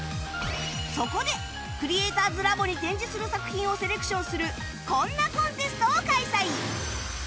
そこでクリエイターズラボに展示する作品をセレクションするこんなコンテストを開催！